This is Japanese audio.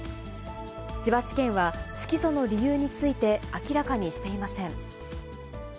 千葉地検は不起訴の理由について明らかにしていません。